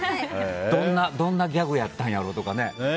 どんなギャグやったんやろうとかね。